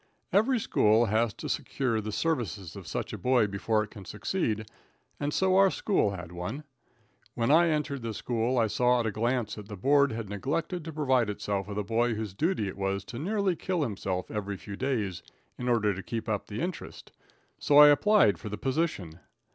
Every school has to secure the services of such a boy before it can succeed, and so our school had one. When I entered the school I saw at a glance that the board had neglected to provide itself with a boy whose duty it was to nearly kill himself every few days in order to keep up the interest so I applied for the position.